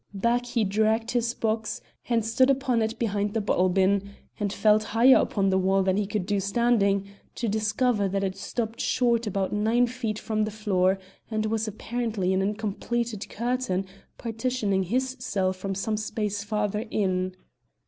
Back he dragged his box and stood upon it behind the bottle bin, and felt higher upon the wall than he could do standing, to discover that it stopped short about nine feet from the floor, and was apparently an incompleted curtain partitioning his cell from some space farther in.